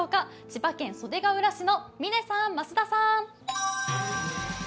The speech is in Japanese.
千葉県袖ケ浦市の嶺さん、増田さん